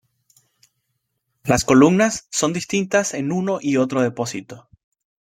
Las columnas son distintas en uno y otro depósito.